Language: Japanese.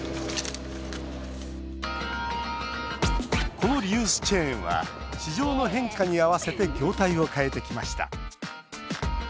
このリユースチェーンは市場の変化に合わせて業態を変えてきました。